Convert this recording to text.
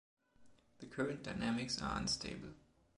The current dynamics are unstable.